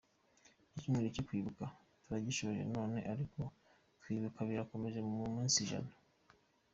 Icyumweru cyo kwibuka turagishoje none ariko kwibuka birakomeza mu minsi ijana.